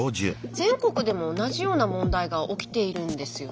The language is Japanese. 全国でも同じような問題が起きているんですよね。